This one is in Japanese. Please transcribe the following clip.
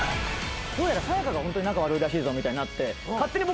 どうやらさや香がホントに仲悪いらしいぞみたいになって。